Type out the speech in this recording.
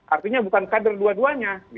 artinya bukan kader dua duanya